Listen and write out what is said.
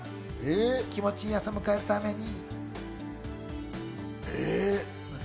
気持ちいい朝を迎えるために。